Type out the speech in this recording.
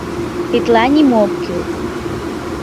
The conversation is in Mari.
Тетла нимо ок кӱл...